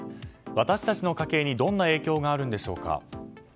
私たちの家計にどんな影響があるんでしょうか。